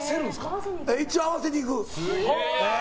一応、合わせにいく。